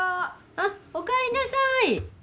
あっおかえりなさい。